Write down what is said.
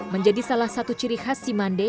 menjadi salah satu ciri khas simande